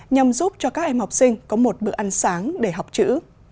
nhằm giúp cho các em học sinh có một bữa ăn sáng để học chữ